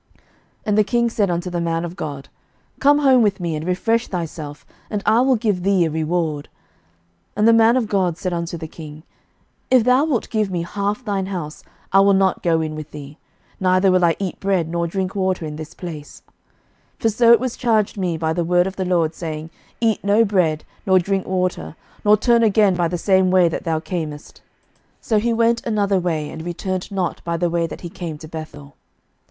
11:013:007 And the king said unto the man of God, Come home with me, and refresh thyself, and I will give thee a reward. 11:013:008 And the man of God said unto the king, If thou wilt give me half thine house, I will not go in with thee, neither will I eat bread nor drink water in this place: 11:013:009 For so was it charged me by the word of the LORD, saying, Eat no bread, nor drink water, nor turn again by the same way that thou camest. 11:013:010 So he went another way, and returned not by the way that he came to Bethel.